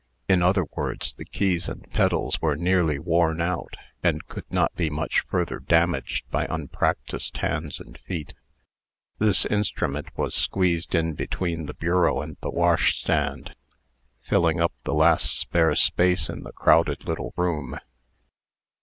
In other words, the keys and pedals were nearly worn out, and could not be much further damaged by unpractised hands and feet. This instrument was squeezed in between the bureau and the washstand, filling up the last spare place in the crowded little room.